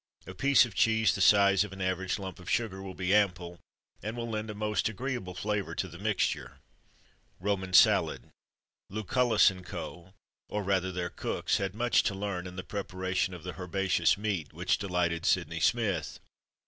A piece of cheese the size of an average lump of sugar will be ample, and will lend a most agreeable flavour to the mixture. Roman Salad Lucullus and Co. or rather their cooks had much to learn in the preparation of the "herbaceous meat" which delighted Sydney Smith.